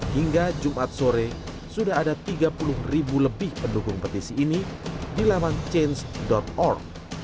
hingga jumat sore sudah ada tiga puluh ribu lebih pendukung petisi ini di laman change org